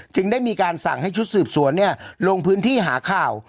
จึงได้มีการสั่งให้ชุดสืบสวนลงพื้นที่หาข่าว